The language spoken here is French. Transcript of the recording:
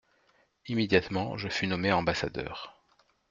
Immédiatement je fus nommé ambassadeur.